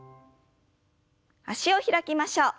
脚を開きましょう。